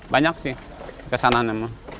banyak sih kesana memang